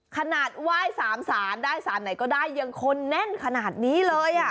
ขนาดไหว้สามสารได้สารไหนก็ได้ยังคนแน่นขนาดนี้เลย